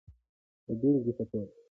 د بیلګی په توکه